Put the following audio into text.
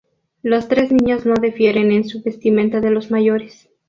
Los tres niños no difieren en su vestimenta de los mayores.